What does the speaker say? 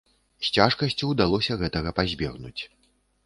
З цяжкасцю ўдалося гэтага пазбегнуць.